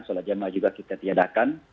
sholat jamaah juga kita tiadakan